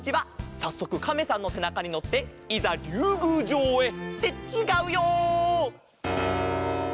さっそくカメさんのせなかにのっていざりゅうぐうじょうへ。ってちがうよ！